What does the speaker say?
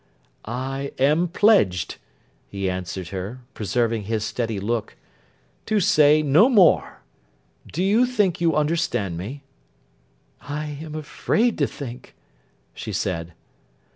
'I am pledged,' he answered her, preserving his steady look, 'to say no more. Do you think you understand me?' 'I am afraid to think,' she said.